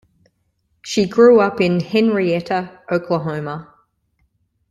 She grew up in Henryetta, Oklahoma.